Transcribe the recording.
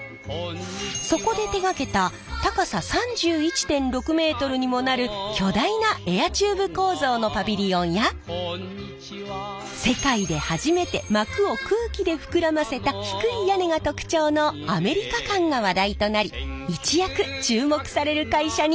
そこで手がけた高さ３１．６メートルにもなる巨大なエアチューブ構造のパビリオンや世界で初めて膜を空気で膨らませた低い屋根が特徴のアメリカ館が話題となり一躍注目される会社に。